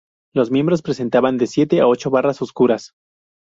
Los miembros presentan de siete a ocho barras oscuras.